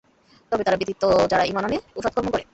তবে তারা ব্যতীত যারা ঈমান আনে ও সৎকর্ম করে।